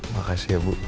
makasih ya bu